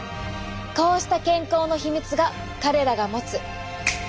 こうした健康のヒミツが彼らが持つ。